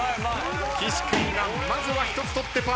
岸君がまずは１つ取ってパーフェクト。